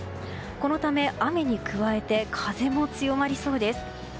このため雨に加えて風も強まりそうです。